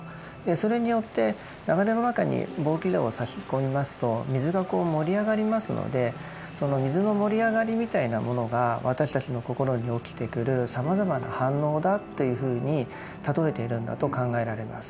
それによって流れの中に棒きれをさし込みますと水が盛り上がりますのでその水の盛り上がりみたいなものが私たちの心に起きてくるさまざまな反応だというふうに例えているんだと考えられます。